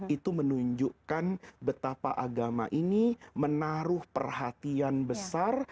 itu menunjukkan betapa agama ini menaruh perhatian besar